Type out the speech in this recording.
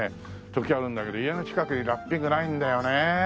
時あるんだけど家の近くにラッピングないんだよね。